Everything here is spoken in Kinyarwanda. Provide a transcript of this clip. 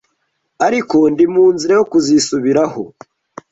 ariko ndi munzira yo kuzisubiraho